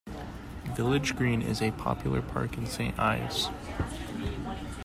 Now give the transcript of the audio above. Village Green is a popular park in Saint Ives.